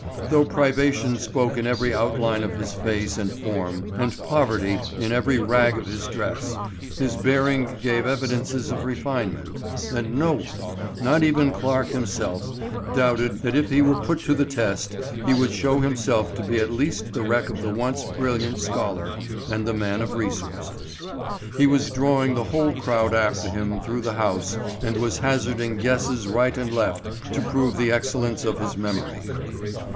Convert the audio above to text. Though privation spoke in every outline of his face and form, and poverty in every rag of his dress, his bearing gave evidences of refinement, and no one, not even Clarke himself, doubted that if he were put to the test he would show himself to be at least the wreck of the once brilliant scholar and man of resources. He was drawing the whole crowd after him through the house and was hazarding guesses right and left to prove the excellence of his memory.